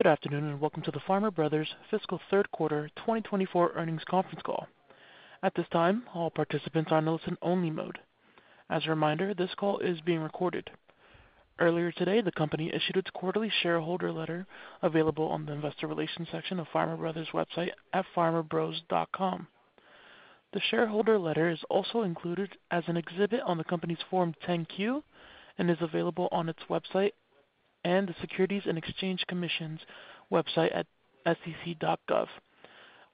Good afternoon and welcome to the Farmer Brothers fiscal third quarter 2024 earnings conference call. At this time, all participants are in listen-only mode. As a reminder, this call is being recorded. Earlier today, the company issued its quarterly shareholder letter available on the investor relations section of Farmer Brothers website at farmerbros.com. The shareholder letter is also included as an exhibit on the company's Form 10-Q and is available on its website and the Securities and Exchange Commission's website at sec.gov.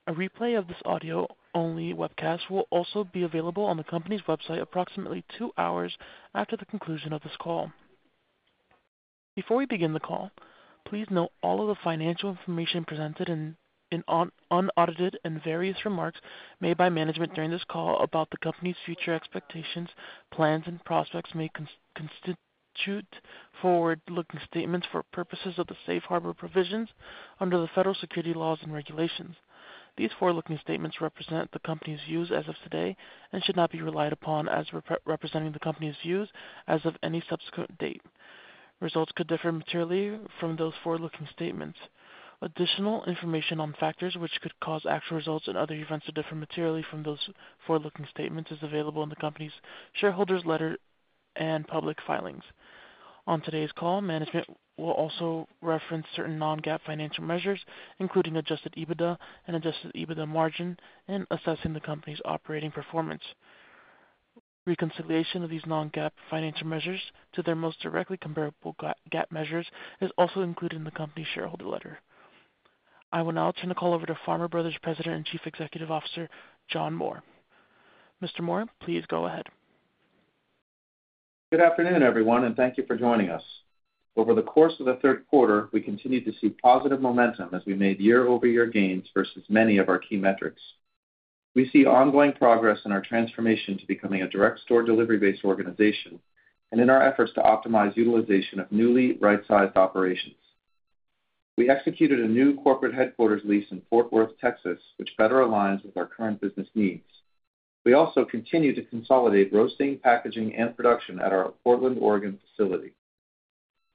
A replay of this audio-only webcast will also be available on the company's website approximately two hours after the conclusion of this call. Before we begin the call, please note all of the financial information presented and unaudited and various remarks made by management during this call about the company's future expectations, plans, and prospects may constitute forward-looking statements for purposes of the Safe Harbor provisions under the federal securities laws and regulations. These forward-looking statements represent the company's views as of today and should not be relied upon as representing the company's views as of any subsequent date. Results could differ materially from those forward-looking statements. Additional information on factors which could cause actual results and other events to differ materially from those forward-looking statements is available in the company's shareholders' letter and public filings. On today's call, management will also reference certain non-GAAP financial measures, including adjusted EBITDA and adjusted EBITDA margin in assessing the company's operating performance. Reconciliation of these non-GAAP financial measures to their most directly comparable GAAP measures is also included in the company's shareholder letter. I will now turn the call over to Farmer Brothers' President and Chief Executive Officer, John Moore. Mr. Moore, please go ahead. Good afternoon, everyone, and thank you for joining us. Over the course of the third quarter, we continue to see positive momentum as we made year-over-year gains versus many of our key metrics. We see ongoing progress in our transformation to becoming a direct-store delivery-based organization and in our efforts to optimize utilization of newly right-sized operations. We executed a new corporate headquarters lease in Fort Worth, Texas, which better aligns with our current business needs. We also continue to consolidate roasting, packaging, and production at our Portland, Oregon facility.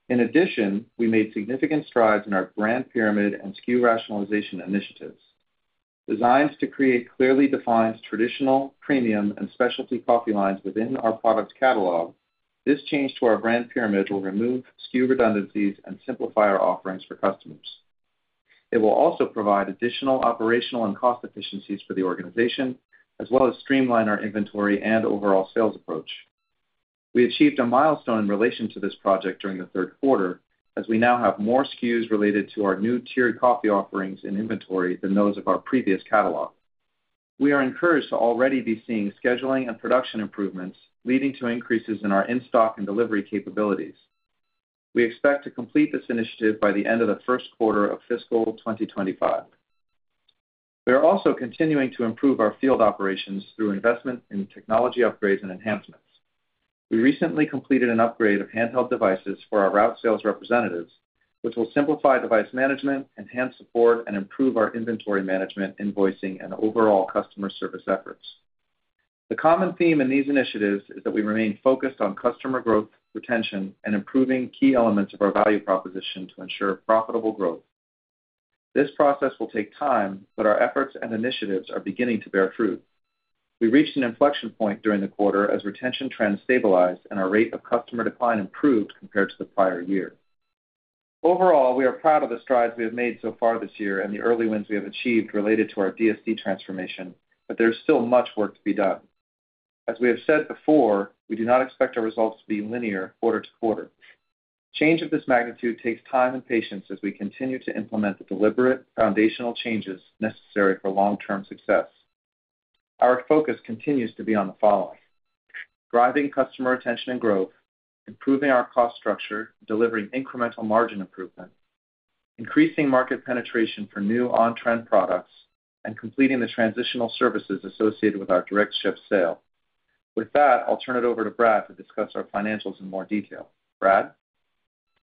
In addition, we made significant strides in our brand pyramid and SKU rationalization initiatives. Designed to create clearly defined traditional, premium, and specialty coffee lines within our product catalog, this change to our brand pyramid will remove SKU redundancies and simplify our offerings for customers. It will also provide additional operational and cost efficiencies for the organization as well as streamline our inventory and overall sales approach. We achieved a milestone in relation to this project during the third quarter as we now have more SKUs related to our new tiered coffee offerings in inventory than those of our previous catalog. We are encouraged to already be seeing scheduling and production improvements leading to increases in our in-stock and delivery capabilities. We expect to complete this initiative by the end of the first quarter of fiscal 2025. We are also continuing to improve our field operations through investment in technology upgrades and enhancements. We recently completed an upgrade of handheld devices for our route sales representatives, which will simplify device management, enhance support, and improve our inventory management, invoicing, and overall customer service efforts. The common theme in these initiatives is that we remain focused on customer growth, retention, and improving key elements of our value proposition to ensure profitable growth. This process will take time, but our efforts and initiatives are beginning to bear fruit. We reached an inflection point during the quarter as retention trends stabilized and our rate of customer decline improved compared to the prior year. Overall, we are proud of the strides we have made so far this year and the early wins we have achieved related to our DSD transformation, but there is still much work to be done. As we have said before, we do not expect our results to be linear quarter to quarter. Change of this magnitude takes time and patience as we continue to implement the deliberate foundational changes necessary for long-term success. Our focus continues to be on the following: driving customer retention and growth, improving our cost structure, delivering incremental margin improvement, increasing market penetration for new on-trend products, and completing the transitional services associated with our direct-ship sale. With that, I'll turn it over to Brad to discuss our financials in more detail. Brad?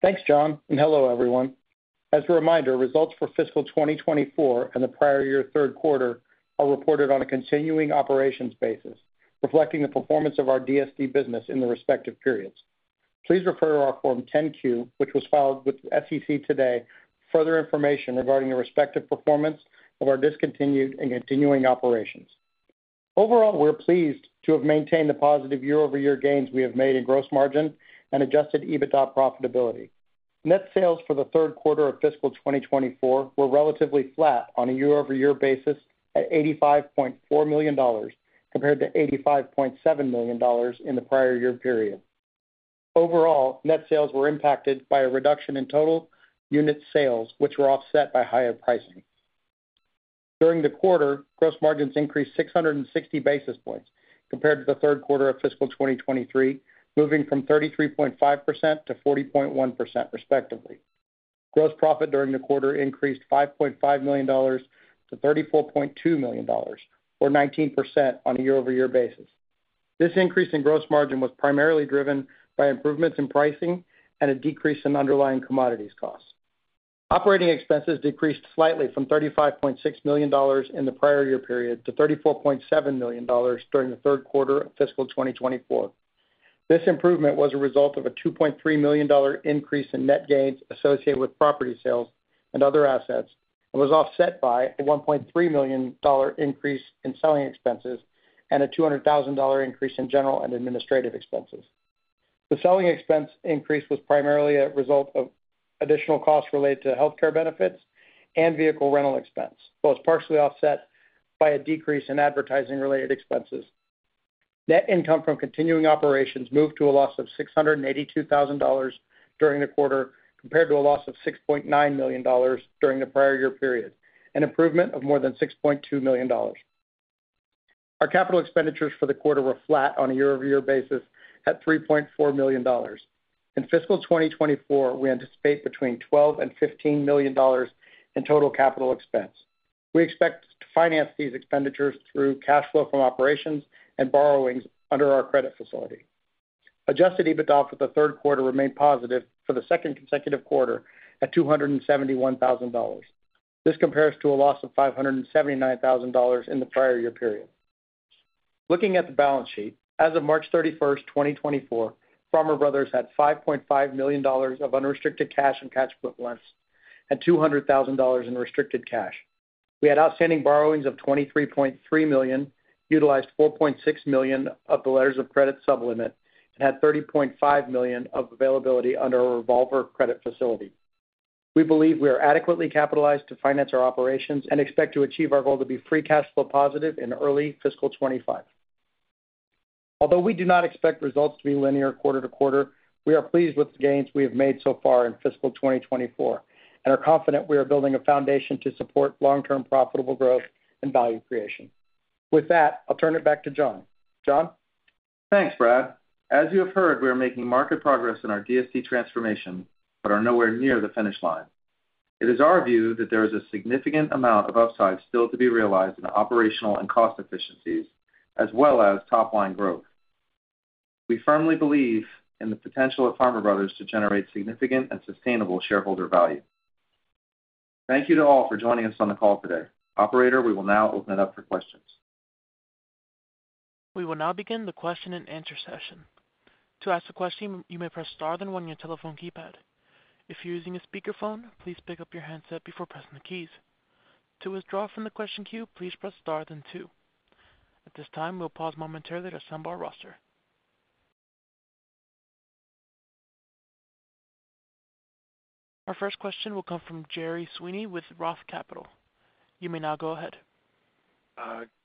Thanks, John, and hello, everyone. As a reminder, results for fiscal 2024 and the prior year third quarter are reported on a continuing operations basis, reflecting the performance of our DSD business in the respective periods. Please refer to our Form 10-Q, which was filed with the SEC today, for further information regarding the respective performance of our discontinued and continuing operations. Overall, we're pleased to have maintained the positive year-over-year gains we have made in gross margin and Adjusted EBITDA profitability. Net sales for the third quarter of fiscal 2024 were relatively flat on a year-over-year basis at $85.4 million compared to $85.7 million in the prior year period. Overall, net sales were impacted by a reduction in total unit sales, which were offset by higher pricing. During the quarter, gross margins increased 660 basis points compared to the third quarter of fiscal 2023, moving from 33.5% to 40.1%, respectively. Gross profit during the quarter increased $5.5 million to $34.2 million, or 19% on a year-over-year basis. This increase in gross margin was primarily driven by improvements in pricing and a decrease in underlying commodities costs. Operating expenses decreased slightly from $35.6 million in the prior year period to $34.7 million during the third quarter of fiscal 2024. This improvement was a result of a $2.3 million increase in net gains associated with property sales and other assets and was offset by a $1.3 million increase in selling expenses and a $200,000 increase in general and administrative expenses. The selling expense increase was primarily a result of additional costs related to healthcare benefits and vehicle rental expense, but was partially offset by a decrease in advertising-related expenses. Net income from continuing operations moved to a loss of $682,000 during the quarter compared to a loss of $6.9 million during the prior year period, an improvement of more than $6.2 million. Our capital expenditures for the quarter were flat on a year-over-year basis at $3.4 million. In fiscal 2024, we anticipate between $12 and $15 million in total capital expense. We expect to finance these expenditures through cash flow from operations and borrowings under our credit facility. Adjusted EBITDA for the third quarter remained positive for the second consecutive quarter at $271,000. This compares to a loss of $579,000 in the prior year period. Looking at the balance sheet, as of March 31st, 2024, Farmer Brothers had $5.5 million of unrestricted cash and cash equivalents and $200,000 in restricted cash. We had outstanding borrowings of $23.3 million, utilized $4.6 million of the letters of credit sublimit, and had $30.5 million of availability under our revolver credit facility. We believe we are adequately capitalized to finance our operations and expect to achieve our goal to be free cash flow positive in early fiscal 2025. Although we do not expect results to be linear quarter to quarter, we are pleased with the gains we have made so far in fiscal 2024 and are confident we are building a foundation to support long-term profitable growth and value creation. With that, I'll turn it back to John. John? Thanks, Brad. As you have heard, we are making marked progress in our DSD transformation, but are nowhere near the finish line. It is our view that there is a significant amount of upside still to be realized in operational and cost efficiencies as well as top-line growth. We firmly believe in the potential of Farmer Brothers to generate significant and sustainable shareholder value. Thank you to all for joining us on the call today. Operator, we will now open it up for questions. We will now begin the question-and-answer session. To ask a question, you may press star, then one on your telephone keypad. If you're using a speakerphone, please pick up your handset before pressing the keys. To withdraw from the question queue, please press star, then two. At this time, we'll pause momentarily to assemble our roster. Our first question will come from Gerry Sweeney with ROTH Capital. You may now go ahead.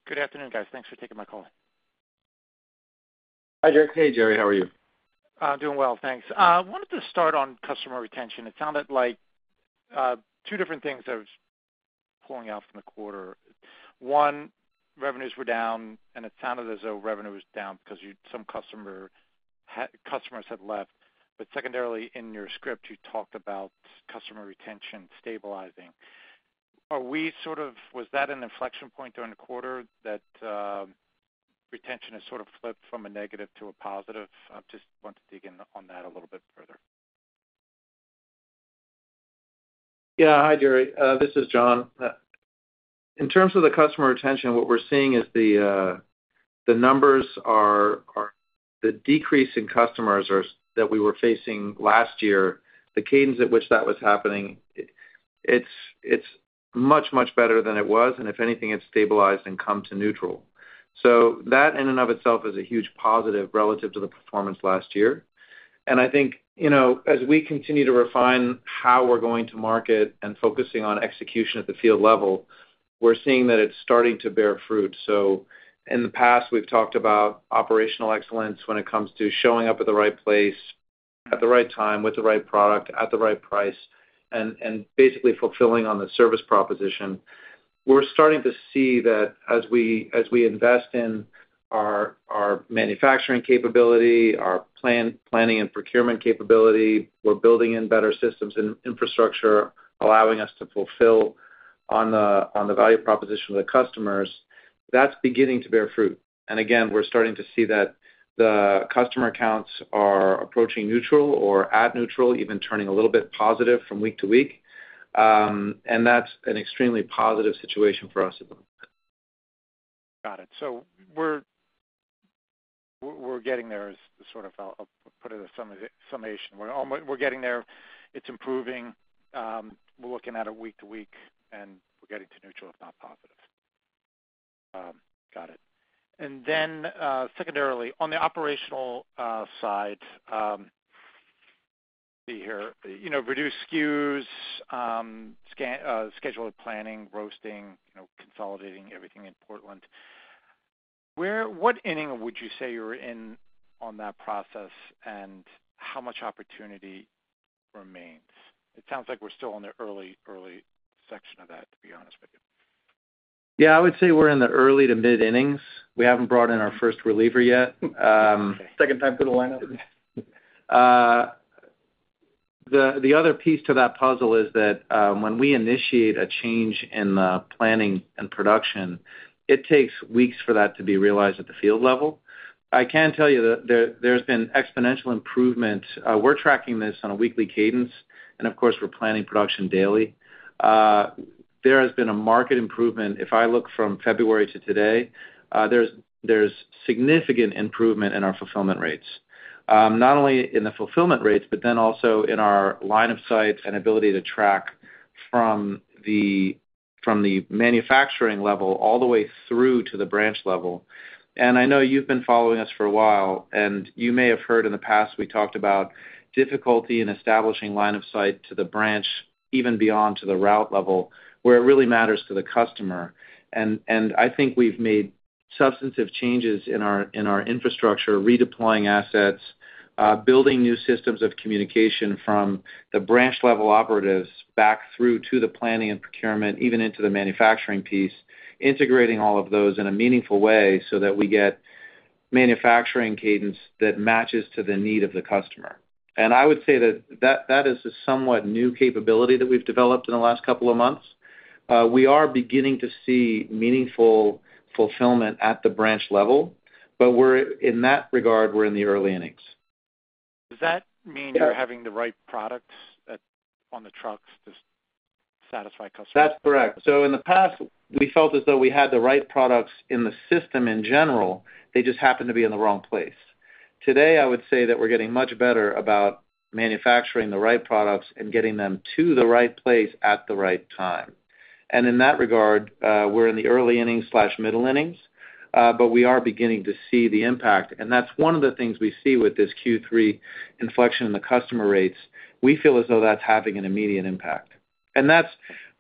Good afternoon, guys. Thanks for taking my call. Hi, Gerry. Hey, Gerry. How are you? Doing well, thanks. I wanted to start on customer retention. It sounded like two different things I was pulling out from the quarter. One, revenues were down, and it sounded as though revenue was down because some customers had left. But secondarily, in your script, you talked about customer retention stabilizing. Was that an inflection point during the quarter that retention has sort of flipped from a negative to a positive? I just want to dig in on that a little bit further. Yeah. Hi, Gerry. This is John. In terms of the customer retention, what we're seeing is the numbers are the decrease in customers that we were facing last year, the cadence at which that was happening, it's much, much better than it was. And if anything, it's stabilized and come to neutral. So that in and of itself is a huge positive relative to the performance last year. And I think, you know, as we continue to refine how we're going to market and focusing on execution at the field level, we're seeing that it's starting to bear fruit. So in the past, we've talked about operational excellence when it comes to showing up at the right place, at the right time, with the right product, at the right price, and basically fulfilling on the service proposition. We're starting to see that as we invest in our manufacturing capability, our planning and procurement capability, we're building in better systems and infrastructure, allowing us to fulfill on the value proposition of the customers. That's beginning to bear fruit. And again, we're starting to see that the customer counts are approaching neutral or at neutral, even turning a little bit positive from week to week. And that's an extremely positive situation for us at the moment. Got it. So we're getting there as sort of I'll put it as some summation. We're almost getting there. It's improving. We're looking at it week to week, and we're getting to neutral, if not positive. Got it. And then, secondarily, on the operational side, let's see here. You know, reduced SKUs, scan scheduled planning, roasting, you know, consolidating everything in Portland. Where what inning would you say you're in on that process, and how much opportunity remains? It sounds like we're still in the early section of that, to be honest with you. Yeah. I would say we're in the early to mid-innings. We haven't brought in our first reliever yet. Second time to the lineup? The other piece to that puzzle is that, when we initiate a change in the planning and production, it takes weeks for that to be realized at the field level. I can tell you that there's been exponential improvements. We're tracking this on a weekly cadence, and of course, we're planning production daily. There has been a market improvement. If I look from February to today, there's significant improvement in our fulfillment rates, not only in the fulfillment rates, but then also in our line of sight and ability to track from the manufacturing level all the way through to the branch level. And I know you've been following us for a while, and you may have heard in the past we talked about difficulty in establishing line of sight to the branch, even beyond to the route level, where it really matters to the customer. And I think we've made substantive changes in our infrastructure, redeploying assets, building new systems of communication from the branch-level operatives back through to the planning and procurement, even into the manufacturing piece, integrating all of those in a meaningful way so that we get manufacturing cadence that matches to the need of the customer. And I would say that is a somewhat new capability that we've developed in the last couple of months. We are beginning to see meaningful fulfillment at the branch level, but in that regard, we're in the early innings. Does that mean you're having the right products on the trucks to satisfy customers? That's correct. So in the past, we felt as though we had the right products in the system in general. They just happened to be in the wrong place. Today, I would say that we're getting much better about manufacturing the right products and getting them to the right place at the right time. And in that regard, we're in the early innings or middle innings, but we are beginning to see the impact. And that's one of the things we see with this Q3 inflection in the customer rates. We feel as though that's having an immediate impact. And that's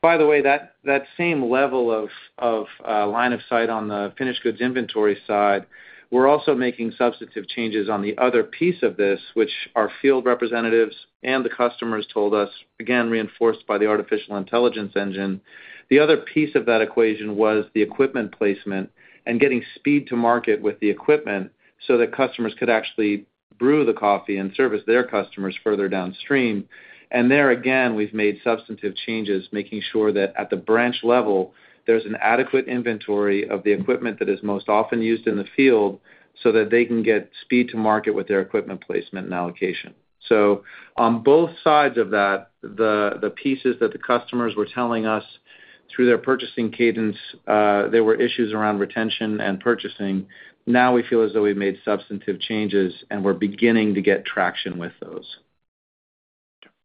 by the way, that same level of line of sight on the finished goods inventory side, we're also making substantive changes on the other piece of this, which our field representatives and the customers told us, again, reinforced by the artificial intelligence engine. The other piece of that equation was the equipment placement and getting speed to market with the equipment so that customers could actually brew the coffee and service their customers further downstream. And there again, we've made substantive changes, making sure that at the branch level, there's an adequate inventory of the equipment that is most often used in the field so that they can get speed to market with their equipment placement and allocation. So on both sides of that, the pieces that the customers were telling us through their purchasing cadence, there were issues around retention and purchasing. Now we feel as though we've made substantive changes, and we're beginning to get traction with those.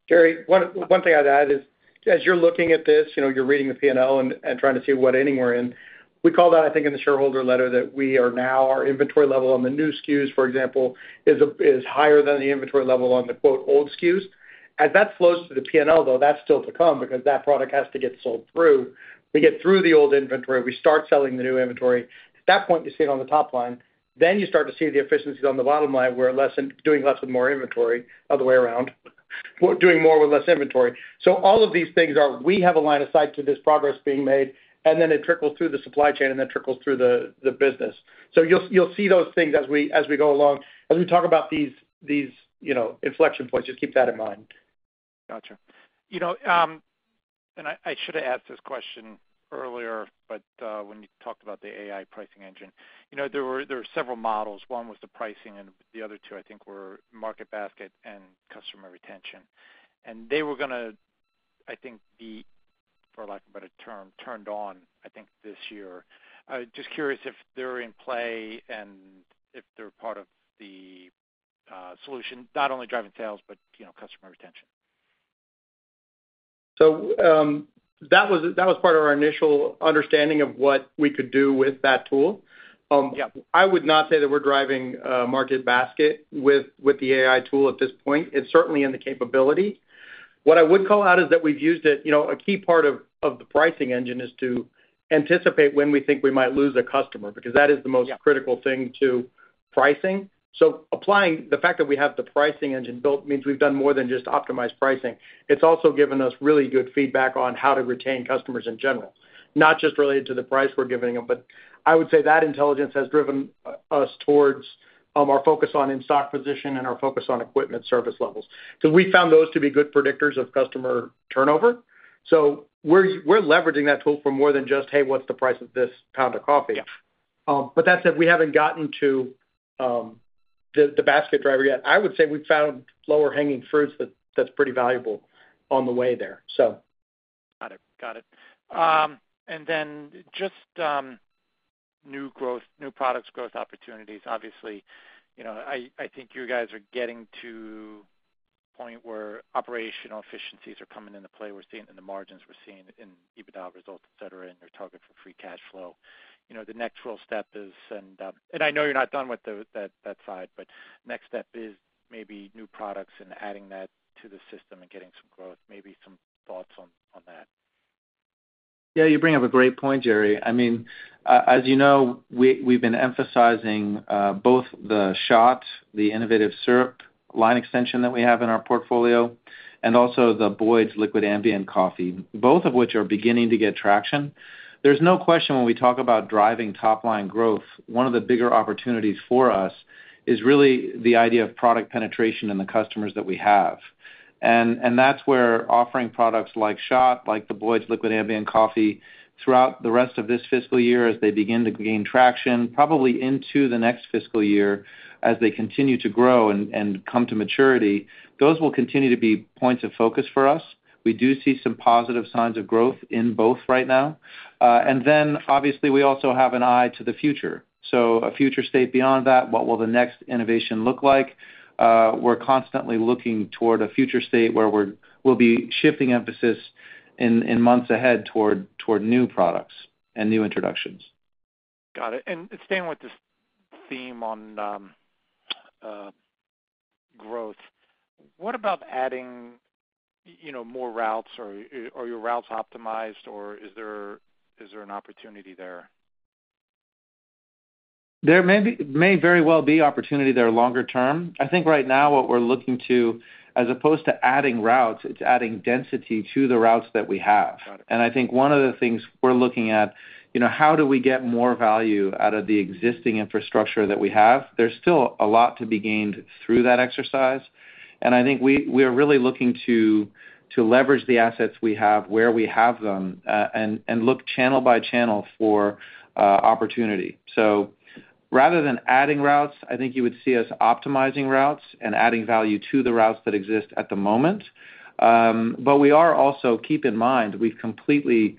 Gerry, one thing I'd add is, as you're looking at this, you know, you're reading the P&L and trying to see what innings we're in, we called out, I think, in the shareholder letter that we are now our inventory level on the new SKUs, for example, is higher than the inventory level on the "old SKUs." As that flows to the P&L, though, that's still to come because that product has to get sold through. We get through the old inventory. We start selling the new inventory. At that point, you see it on the top line. Then you start to see the efficiencies on the bottom line where less and doing less with more inventory, other way around, doing more with less inventory. So all of these things are we have a line of sight to this progress being made, and then it trickles through the supply chain, and then trickles through the business. So you'll see those things as we go along. As we talk about these inflection points, just keep that in mind. Gotcha. You know, and I should have asked this question earlier, but when you talked about the AI pricing engine, you know, there were several models. One was the pricing, and the other two, I think, were market basket and customer retention. And they were going to, I think, be, for lack of a better term, turned on, I think, this year. I was just curious if they're in play and if they're part of the solution, not only driving sales, but, you know, customer retention. So, that was part of our initial understanding of what we could do with that tool. Yeah. I would not say that we're driving market basket with the AI tool at this point. It's certainly in the capability. What I would call out is that we've used it you know, a key part of the pricing engine is to anticipate when we think we might lose a customer because that is the most critical thing to pricing. So applying the fact that we have the pricing engine built means we've done more than just optimized pricing. It's also given us really good feedback on how to retain customers in general, not just related to the price we're giving them. But I would say that intelligence has driven us towards our focus on in-stock position and our focus on equipment service levels because we found those to be good predictors of customer turnover. So we're, we're leveraging that tool for more than just, "Hey, what's the price of this pound of coffee? Yeah. But that said, we haven't gotten to the basket driver yet. I would say we've found lower-hanging fruits, that's pretty valuable on the way there, so. Got it. Got it. And then just new growth, new products growth opportunities, obviously. You know, I think you guys are getting to the point where operational efficiencies are coming into play. We're seeing it in the margins. We're seeing it in EBITDA results, etc., and you're targeting for free cash flow. You know, the next real step is send, and I know you're not done with that side, but next step is maybe new products and adding that to the system and getting some growth. Maybe some thoughts on that. Yeah. You bring up a great point, Gerry. I mean, as you know, we, we've been emphasizing, both the SHOTT, the Innovative Syrup line extension that we have in our portfolio, and also the Boyd's liquid ambient coffee, both of which are beginning to get traction. There's no question when we talk about driving top-line growth, one of the bigger opportunities for us is really the idea of product penetration in the customers that we have. And, and that's where offering products like SHOTT, like the Boyd's liquid ambient coffee, throughout the rest of this fiscal year, as they begin to gain traction, probably into the next fiscal year, as they continue to grow and, and come to maturity, those will continue to be points of focus for us. We do see some positive signs of growth in both right now. And then obviously, we also have an eye to the future. So a future state beyond that, what will the next innovation look like? We're constantly looking toward a future state where we'll be shifting emphasis in months ahead toward new products and new introductions. Got it. And staying with this theme on growth, what about adding, you know, more routes? Or, or are your routes optimized, or is there an opportunity there? There may very well be opportunity there longer term. I think right now, what we're looking to, as opposed to adding routes, it's adding density to the routes that we have. Got it. I think one of the things we're looking at, you know, how do we get more value out of the existing infrastructure that we have? There's still a lot to be gained through that exercise. I think we are really looking to leverage the assets we have, where we have them, and look channel by channel for opportunity. So rather than adding routes, I think you would see us optimizing routes and adding value to the routes that exist at the moment. But keep in mind, we've completely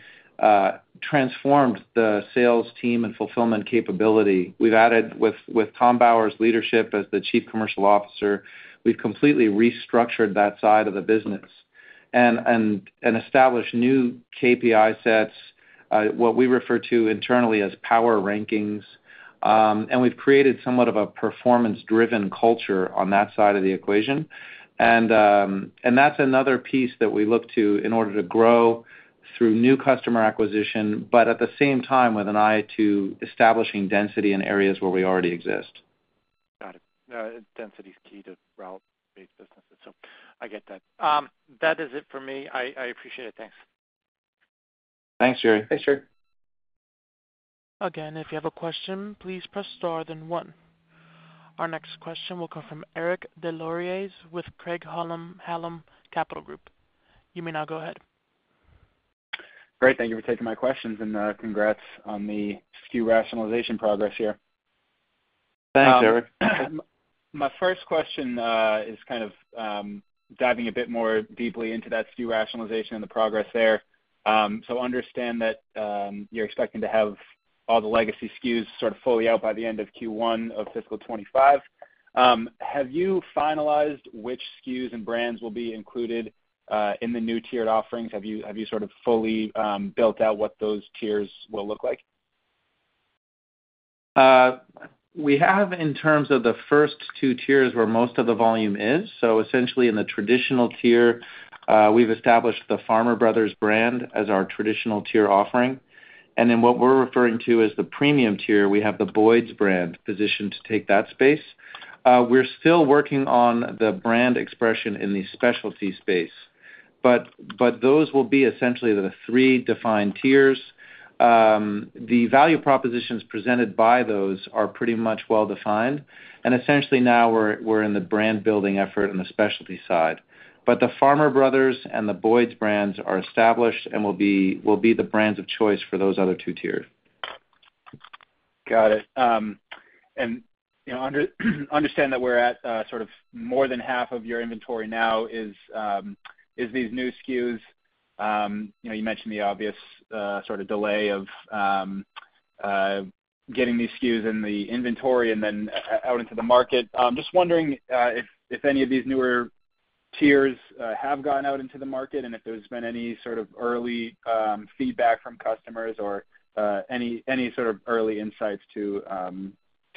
transformed the sales team and fulfillment capability. With Tom Bauer's leadership as the Chief Commercial Officer, we've completely restructured that side of the business and established new KPI sets, what we refer to internally as power rankings. and we've created somewhat of a performance-driven culture on that side of the equation. And that's another piece that we look to in order to grow through new customer acquisition, but at the same time, with an eye to establishing density in areas where we already exist. Got it. Density's key to route-based businesses, so I get that. That is it for me. I appreciate it. Thanks. Thanks, Gerry. Thanks, Gerry. Again, if you have a question, please press star then one. Our next question will come from Eric Des Lauriers with Craig-Hallum Capital Group. You may now go ahead. Great. Thank you for taking my questions, and, congrats on the SKU rationalization progress here. Thanks, Eric. My first question is kind of diving a bit more deeply into that SKU rationalization and the progress there. So I understand that you're expecting to have all the legacy SKUs sort of fully out by the end of Q1 of fiscal 2025. Have you finalized which SKUs and brands will be included in the new tiered offerings? Have you sort of fully built out what those tiers will look like? We have, in terms of the first two tiers where most of the volume is. So essentially, in the traditional tier, we've established the Farmer Brothers brand as our traditional tier offering. And then what we're referring to as the premium tier, we have the Boyd's brand positioned to take that space. We're still working on the brand expression in the specialty space, but, but those will be essentially the three defined tiers. The value propositions presented by those are pretty much well-defined. And essentially, now we're, we're in the brand-building effort on the specialty side. But the Farmer Brothers and the Boyd's brands are established and will be will be the brands of choice for those other two tiers. Got it. And, you know, understand that we're at, sort of more than half of your inventory now is these new SKUs. You know, you mentioned the obvious, sort of delay of getting these SKUs in the inventory and then out into the market. Just wondering, if any of these newer tiers have gone out into the market and if there's been any sort of early feedback from customers or any sort of early insights to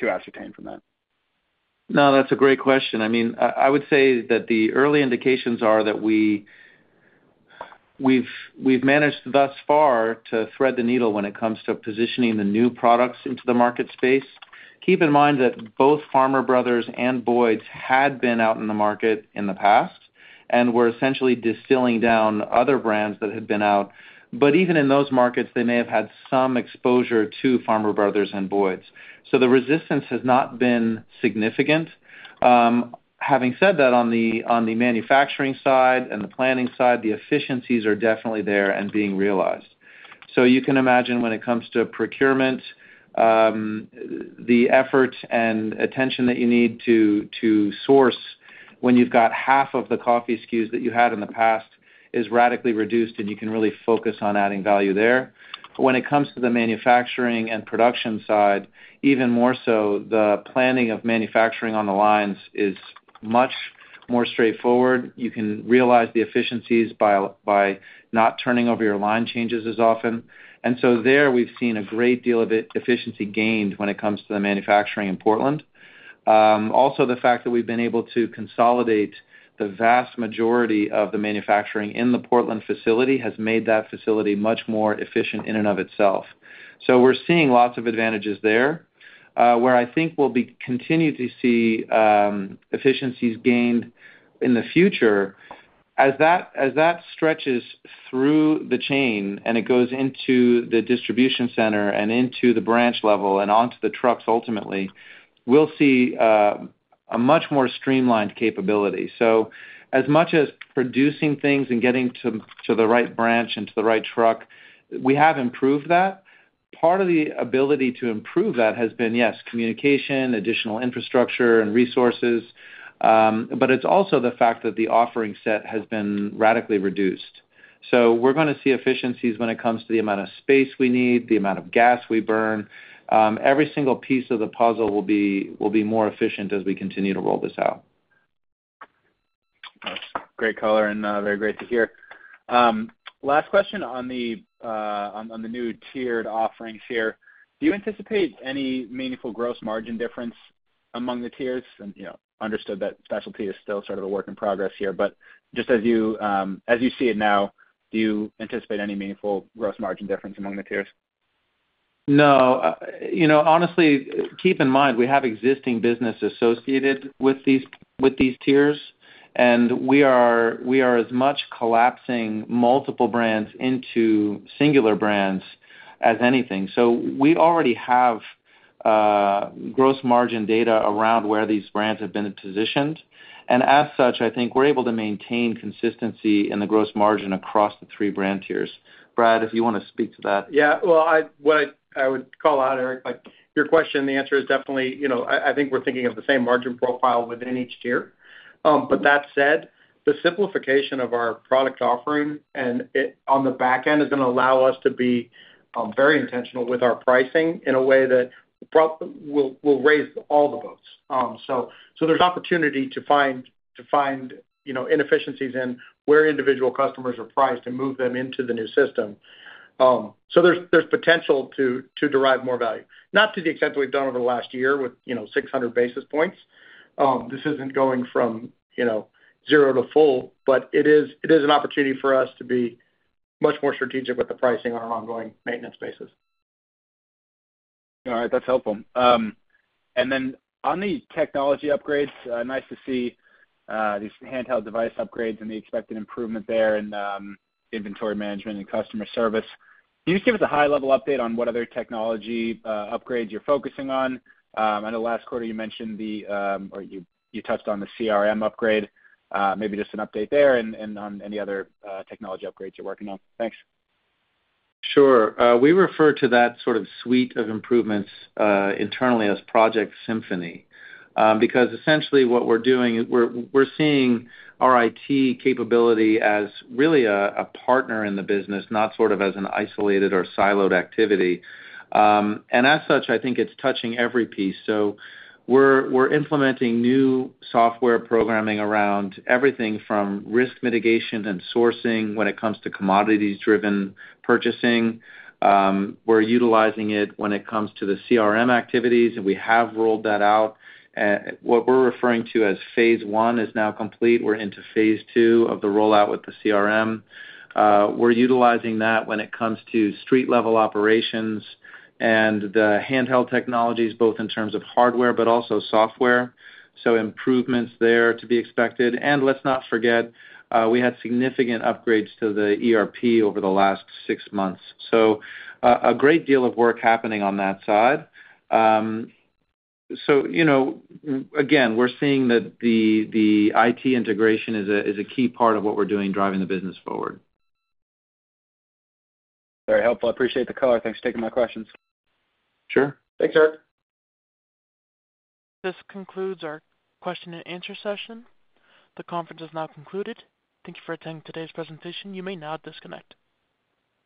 ascertain from that. No, that's a great question. I mean, I would say that the early indications are that we've managed thus far to thread the needle when it comes to positioning the new products into the market space. Keep in mind that both Farmer Brothers and Boyd's had been out in the market in the past and were essentially distilling down other brands that had been out. But even in those markets, they may have had some exposure to Farmer Brothers and Boyd's. So the resistance has not been significant. Having said that, on the manufacturing side and the planning side, the efficiencies are definitely there and being realized. So you can imagine when it comes to procurement, the effort and attention that you need to, to source when you've got half of the coffee SKUs that you had in the past is radically reduced, and you can really focus on adding value there. When it comes to the manufacturing and production side, even more so, the planning of manufacturing on the lines is much more straightforward. You can realize the efficiencies by, by not turning over your line changes as often. And so there, we've seen a great deal of efficiency gained when it comes to the manufacturing in Portland. Also, the fact that we've been able to consolidate the vast majority of the manufacturing in the Portland facility has made that facility much more efficient in and of itself. So we're seeing lots of advantages there, where I think we'll continue to see efficiencies gained in the future. As that stretches through the chain and it goes into the distribution center and into the branch level and onto the trucks ultimately, we'll see a much more streamlined capability. So as much as producing things and getting to the right branch and to the right truck, we have improved that. Part of the ability to improve that has been, yes, communication, additional infrastructure, and resources. But it's also the fact that the offering set has been radically reduced. So we're going to see efficiencies when it comes to the amount of space we need, the amount of gas we burn. Every single piece of the puzzle will be more efficient as we continue to roll this out. That's great color, and very great to hear. Last question on the new tiered offerings here. Do you anticipate any meaningful gross margin difference among the tiers? And, you know, understood that specialty is still sort of a work in progress here. But just as you see it now, do you anticipate any meaningful gross margin difference among the tiers? No, you know, honestly, keep in mind, we have existing business associated with these with these tiers, and we are we are as much collapsing multiple brands into singular brands as anything. So we already have gross margin data around where these brands have been positioned. And as such, I think we're able to maintain consistency in the gross margin across the three brand tiers. Brad, if you want to speak to that. Yeah. Well, what I would call out, Eric, like your question, the answer is definitely, you know, I think we're thinking of the same margin profile within each tier. But that said, the simplification of our product offering and it on the back end is going to allow us to be very intentional with our pricing in a way that probably will raise all the boats. So there's opportunity to find, you know, inefficiencies in where individual customers are priced and move them into the new system. So there's potential to derive more value, not to the extent that we've done over the last year with, you know, 600 basis points. This isn't going from, you know, zero to full, but it is an opportunity for us to be much more strategic with the pricing on an ongoing maintenance basis. All right. That's helpful. Then on the technology upgrades, nice to see these handheld device upgrades and the expected improvement there in inventory management and customer service. Can you just give us a high-level update on what other technology upgrades you're focusing on? I know last quarter, you touched on the CRM upgrade. Maybe just an update there and on any other technology upgrades you're working on. Thanks. Sure. We refer to that sort of suite of improvements, internally as Project Symphony, because essentially, what we're doing is we're seeing our IT capability as really a partner in the business, not sort of as an isolated or siloed activity. As such, I think it's touching every piece. So we're implementing new software programming around everything from risk mitigation and sourcing when it comes to commodities-driven purchasing. We're utilizing it when it comes to the CRM activities, and we have rolled that out. What we're referring to as phase one is now complete. We're into phase two of the rollout with the CRM. We're utilizing that when it comes to street-level operations and the handheld technologies, both in terms of hardware but also software. So improvements there to be expected. Let's not forget, we had significant upgrades to the ERP over the last six months. So, a great deal of work happening on that side. So, you know, again, we're seeing that the IT integration is a key part of what we're doing driving the business forward. Very helpful. I appreciate the color. Thanks for taking my questions. Sure. Thanks, Eric. This concludes our question-and-answer session. The conference is now concluded. Thank you for attending today's presentation. You may now disconnect.